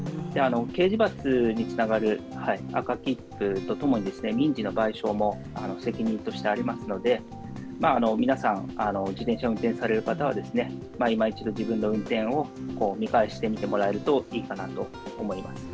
刑事罰につながる赤切符とともに、民事の賠償も責任としてありますので、皆さん、自転車運転される方は、いま一度自分の運転を見返してみてもらえるといいかなと思います。